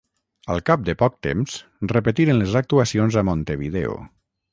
Al cap de poc temps, repetiren les actuacions a Montevideo.